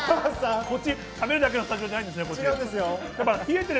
食べるだけのスタジオじゃないんですね。